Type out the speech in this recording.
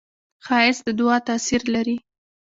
ښایست د دعاوو تاثیر لري